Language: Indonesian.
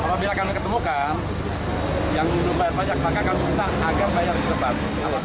apabila kami ketemukan yang belum bayar pajak maka kami minta agar bayar di tempat